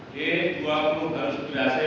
g dua puluh harus berhasil